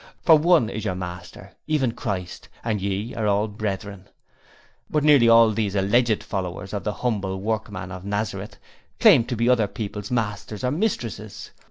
For one is your master, even Christ, and ye are all brethren.' But nearly all these alleged followers of the humble Workman of Nazareth claimed to be other people's masters or mistresses.